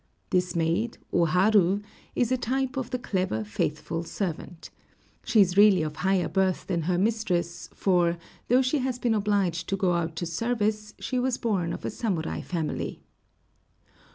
This maid, O Haru, is a type of the clever faithful servant. She is really of higher birth than her mistress, for, though she has been obliged to go out to service, she was born of a samurai family.